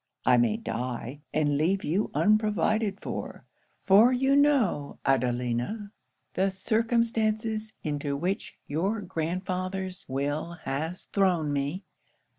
I may die, and leave you unprovided for; for you know, Adelina, the circumstances into which your grandfather's will has thrown me.